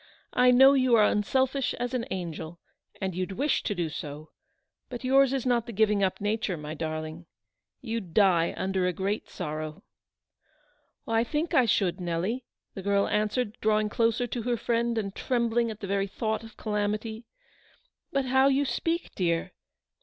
I know you are unselfish as an angel, and you'd wish to do so ; but yours is not the giving up nature, my darling. You'd die under a great sorrow." " I think I should, Nelly," the girl answered, drawing closer to her friend, and trembling at the very thought of calamity ;" but how you speak, dear.